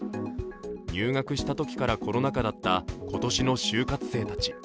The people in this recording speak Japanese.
入学したときからコロナ禍だった今年の就活生たち。